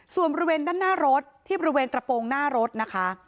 ส่วนบริเวณด้านหน้ารถที่บริเวณกระโปรงหน้ารถนะคะ